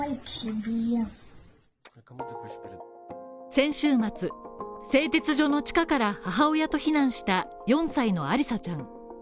先週末、製鉄所の地下から母親と避難した４歳のアリサちゃん